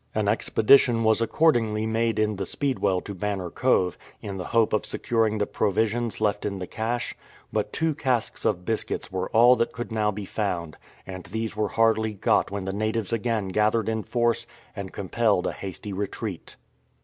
An expedition was accordingly made in the Speedwell to Banner Cove, in the hope of securing the provisions left in the cache, but two casks of biscuits were all that could now be found, and these were hardly got when the natives again gathered in force and compelled a hasty retreat.